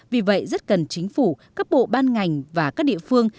vì vậy rất cần chính phủ các bộ ban ngành và các địa phương